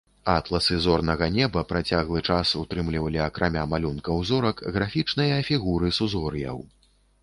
Атласы зорнага неба працяглы час ўтрымлівалі акрамя малюнкаў зорак графічныя фігуры сузор'яў.